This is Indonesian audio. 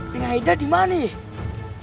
neng aida dimana ya